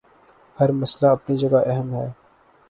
ہر مسئلہ اپنی جگہ اہم ہے۔